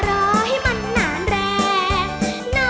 แล้วใส่พี่ใส่ไม่มาเอาใจ